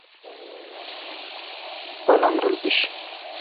پلنگ رل بیش۔